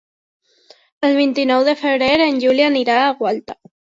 El vint-i-nou de febrer en Juli anirà a Gualta.